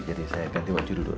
jadi saya ganti baju dulu